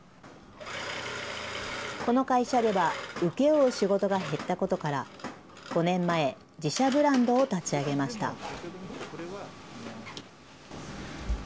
この会社では、請け負う仕事が減ったことから、５年前、自社ブランドを立ち上げました。